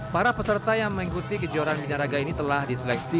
para peserta yang mengikuti kejuaraan bidaraga ini telah diseleksi